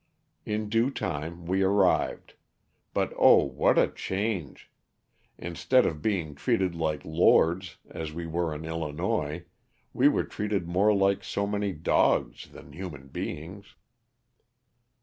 In due time we arrived ; but oh, what a change, instead of being treated like lords, as we were in Illinois, we were treated more like so many dogs than human beings.